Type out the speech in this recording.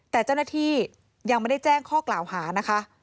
แต่เจ้าหน้าที่ยังไม่ได้แจ้งข้อกล่าวหานะคะ